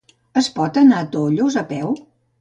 Es pot anar a Tollos a peu?